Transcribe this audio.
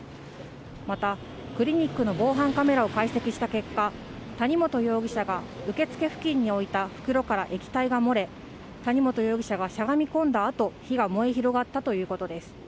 またクリニックの防犯カメラを解析した結果、谷本容疑者が受付付近に置いた袋から液体が漏れ谷本容疑者がしゃがみこんだあと火が燃え広がったということです。